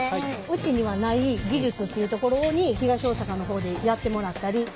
うちにはない技術っていうところに東大阪の方でやってもらったり。